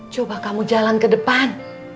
coba kamu jalan ke depan